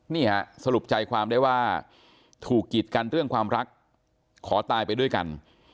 นี่ฮะสรุปใจความได้ว่าถูกกีดกันเรื่องความรักขอตายไปด้วยกัน